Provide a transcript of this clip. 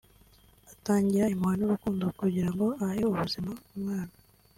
atangana impuhwe n’urukundo kugira ngo ahe ubuzima umwana